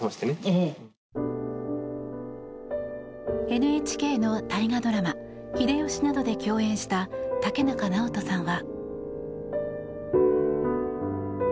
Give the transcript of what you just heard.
ＮＨＫの大河ドラマ「秀吉」などで共演した竹中直人さんは。